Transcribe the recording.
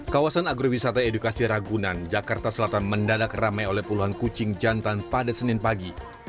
kawasan agrowisata edukasi ragunan jakarta selatan mendadak ramai oleh puluhan kucing jantan pada senin pagi